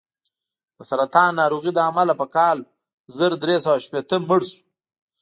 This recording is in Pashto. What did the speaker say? د سرطان ناروغۍ له امله په کال زر درې سوه شپېته مړ شو.